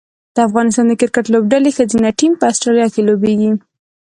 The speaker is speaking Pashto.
د افغانستان د کرکټ لوبډلې ښځینه ټیم په اسټرالیا کې لوبیږي